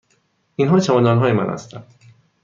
اینها چمدان های من هستند.